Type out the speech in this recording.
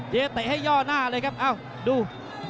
เตะให้ย่อหน้าเลยครับเอ้าดู